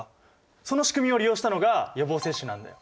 そのしくみを利用したのが予防接種なんだよ。